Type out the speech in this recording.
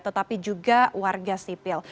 tetapi juga warga sipil